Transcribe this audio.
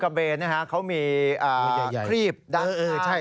กระเบนเขามีครีบด้านหน้า